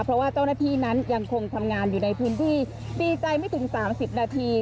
เพราะว่าเจ้าหน้าที่นั้นยังคงทำงานอยู่ในพื้นที่ดีใจไม่ถึง๓๐นาที